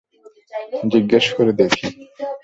জিজ্ঞেস করে দেখি।